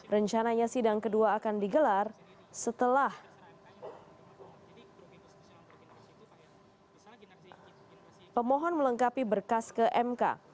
rencananya sidang kedua akan digelar setelah pemohon melengkapi berkas ke mk